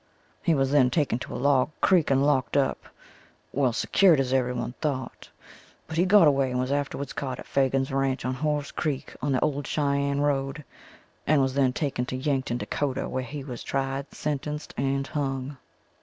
He was then taken to a log cabin and locked up, well secured as every one thought, but he got away and was afterwards caught at Fagan's ranch on Horse Creek, on the old Cheyenne road and was then taken to Yankton, Dak., where he was tried, sentenced and hung.